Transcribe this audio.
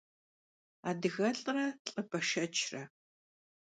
Adıgelh're lh'ı beşşeçre.